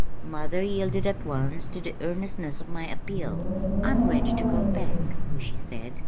Mother yielded at once to the earnestness of my appeal. "I'm ready to go back," she said.